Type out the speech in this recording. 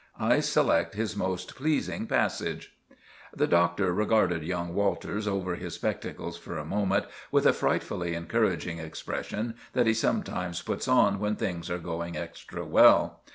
I select his most pleasing passage." The Doctor regarded young Walters over his spectacles for a moment with a frightfully encouraging expression that he sometimes puts on when things are going extra well.